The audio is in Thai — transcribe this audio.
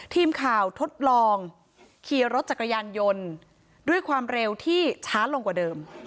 ทดลองขี่รถจักรยานยนต์ด้วยความเร็วที่ช้าลงกว่าเดิม